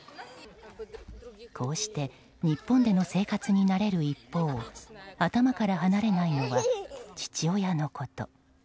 こうして日本での生活に慣れる一方頭から離れないのは父親のこと。